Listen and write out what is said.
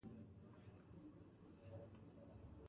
انسان په ګيلو او اعتراضونو کې وخت برباد نه کړي.